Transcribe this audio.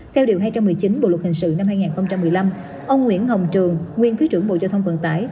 theo điều hai trăm một mươi chín bộ luật hình sự năm hai nghìn một mươi năm ông nguyễn hồng trường nguyên thứ trưởng bộ giao thông vận tải